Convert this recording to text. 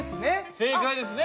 正解ですね。